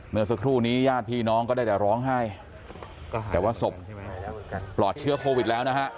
เมื่อสักครู่นี้ญาติพี่น้องก็ได้แต่ร้องไห้แต่ว่าศพปลอดเชื้อโควิดแล้วนะฮะ